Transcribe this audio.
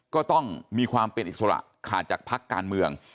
ก็ต้องมีความเป็นอิสระขาดจากพักการเมือง